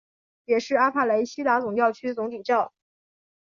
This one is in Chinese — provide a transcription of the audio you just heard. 也是阿帕雷西达总教区总主教。